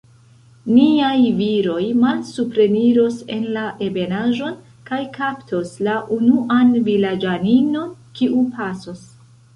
Niaj viroj malsupreniros en la ebenaĵon, kaj kaptos la unuan vilaĝaninon, kiu pasos.